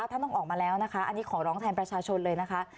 ท่านต้องออกมาแล้วนะคะอันนี้ขอร้องแทนประชาชนเลยนะคะ